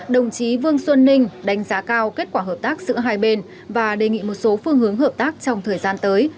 đồng chí vương xuân ninh đánh giá cao kết quả hợp tác giữa hai bên và đề nghị một số phương hướng hợp tác trong thời gian tới